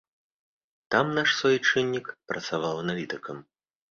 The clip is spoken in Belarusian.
Там наш суайчыннік працаваў аналітыкам.